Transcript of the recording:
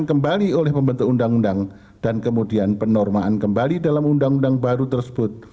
kembali oleh pembentuk undang undang dan kemudian penormaan kembali dalam undang undang baru tersebut